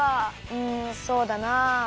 うんそうだなあ。